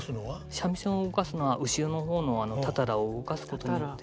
三味線を動かすのは後ろの方のたたらを動かすことによって。